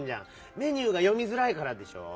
メニューがよみづらいからでしょ！